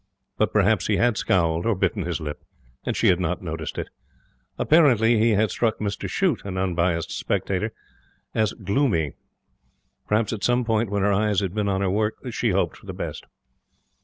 But perhaps he had scowled (or bitten his lip), and she had not noticed it. Apparently he had struck Mr Shute, an unbiased spectator, as gloomy. Perhaps at some moment when her eyes had been on her work She hoped for the best.